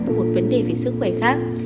một vấn đề về sức khỏe khác